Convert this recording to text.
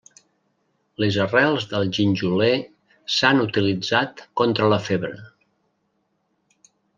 Les arrels del ginjoler s'han utilitzat contra la febre.